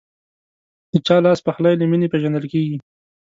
د چا لاسپخلی له مینې پیژندل کېږي.